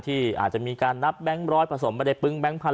ที่อาจจะมีการนับแบงค์ร้อยผสมไปในปึ้งแก๊งพันธ